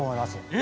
え！